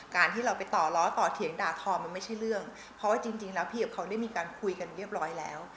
การที่เราไปต่อล้อต่อเถียงด่าทอมันไม่ใช่เรื่องเพราะว่าจริงแล้วพี่กับเขาได้มีการคุยกันเรียบร้อยแล้ว